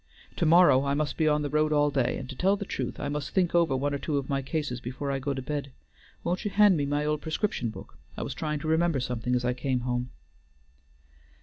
To morrow I must be on the road all day, and, to tell the truth, I must think over one or two of my cases before I go to bed. Won't you hand me my old prescription book? I was trying to remember something as I came home."